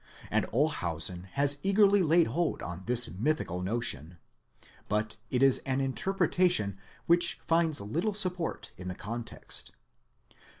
and Olshausen has eagerly laid hold on this mystical notion; but it is an interpretation which finds little support in the context.